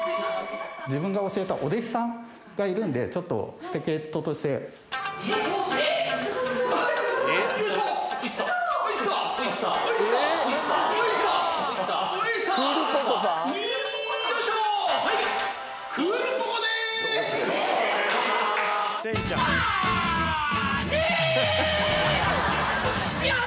自分が教えたお弟子さんがいるんで、えっ？